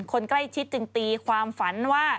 คนใกล้ชิดจึงตีความฝันว่า